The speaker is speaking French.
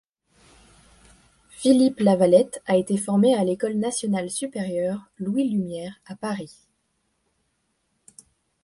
Philippe Lavalette a été formé à l'École nationale supérieure Louis-Lumière à Paris.